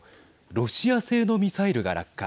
ロシア製のミサイルが落下。